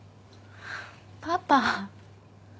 パパ。